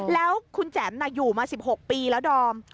แล้วคุณแจ๋มอยู่มา๑๖ปีแล้วดอม